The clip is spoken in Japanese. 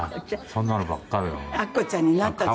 そんなのばっかりだよ。